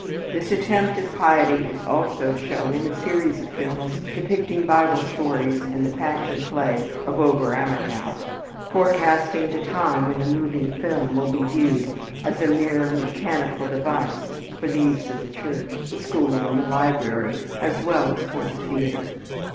This attempt at piety is also shown in a series of films depicting Bible stories and the Passion Play at Oberammergau, forecasting the time when the moving film will be viewed as a mere mechanical device for the use of the church, the school and the library, as well as for the theater.